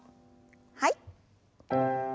はい。